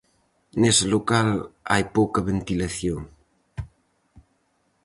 Nese local hai pouca ventilación.